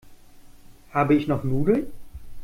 Habe ich noch Nudeln?